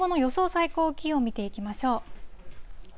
最高気温、見ていきましょう。